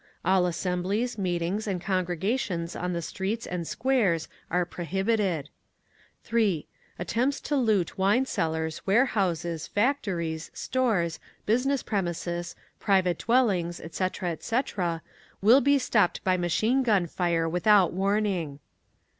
All assemblies, meetings and congregations on the streets and squares are prohibited. 3. Attempts to loot wine cellars, warehouses, factories, stores, business premises, private dwellings, etc., etc., _will be stopped by machine gun fire without warning.